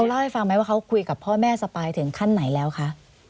เล่าให้ฟังไหมว่าเขาคุยกับพ่อแม่สปายถึงขั้นไหนแล้วคะ